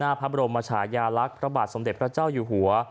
พระบรมชายาลักษณ์พระบาทสมเด็จพระเจ้าอยู่หัว